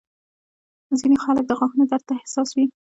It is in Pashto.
ځینې خلک د غاښونو درد ته حساس وي.